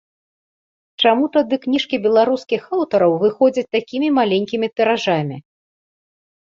Чаму тады кніжкі беларускіх аўтараў выходзяць такімі маленькімі тыражамі?